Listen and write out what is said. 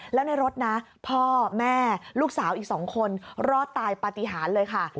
แล้วในรถนะพ่อแม่ลูกสาวอีก๒คนรอดตายปฏิหารเลยค่ะ